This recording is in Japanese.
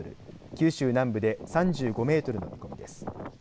九州南部で３５メートルの見込みです。